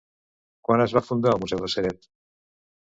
Quan es va fundar el museu de Ceret?